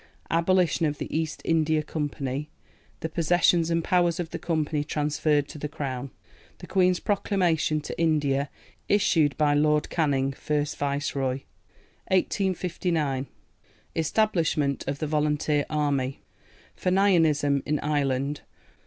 Abolition of the East India Company. The possessions and powers of the Company transferred to the Crown. The Queen's Proclamation to India issued by Lord Canning, first Viceroy. 1859. Establishment of the Volunteer Army. Fenianism in Ireland.